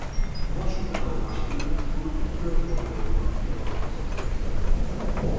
A vasútállomás mellett van egy körforgalomnak kialakított hely.